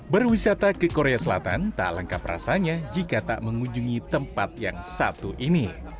berwisata ke korea selatan tak lengkap rasanya jika tak mengunjungi tempat yang satu ini